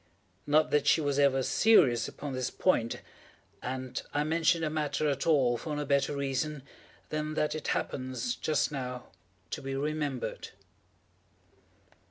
Not that she was ever serious upon this point—and I mention the matter at all for no better reason than that it happens, just now, to be remembered.